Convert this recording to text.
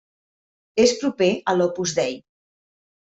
És proper a l'Opus Dei.